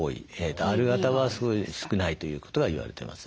Ｒ型はすごい少ないということが言われてます。